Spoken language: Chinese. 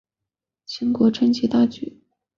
秦国趁机大举的进攻魏国的西河郡。